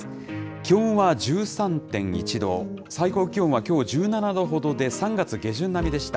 気温は１３．１度、最高気温はきょう１７度ほどで、３月下旬並みでした。